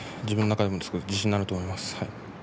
自分の中でも自信になると思います。